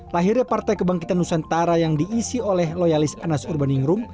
lahirnya partai kebangkitan nusantara yang diisi oleh loyalis anas urbaningrum